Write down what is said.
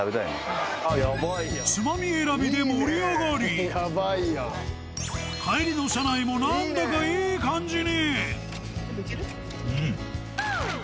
つまみ選びで盛り上がり帰りの車内も何だかいい感じにいける？